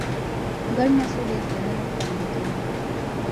ګډ مسئولیت ټولنه خوندي کوي.